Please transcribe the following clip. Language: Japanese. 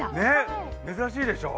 珍しいでしょう？